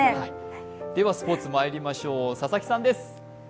ではスポーツまいりましょう、佐々木さんです。